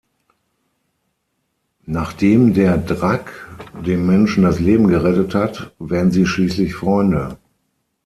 Nachdem der Drac dem Menschen das Leben gerettet hat, werden sie schließlich Freunde.